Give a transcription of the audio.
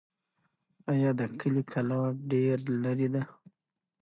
آیا د کلي کلا ډېر لرې ده؟